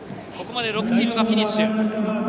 ここまで６チームがフィニッシュ。